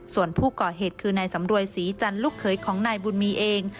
ส่วนผู้ก่อเหตุคือนายสำรวยศรีจันทร์ลูกเขยของนายบุญมีเอง